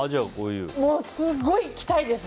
すごい着たいです！